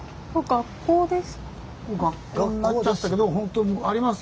学校です。